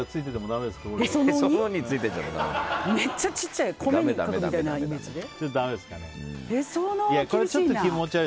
めっちゃちっちゃい。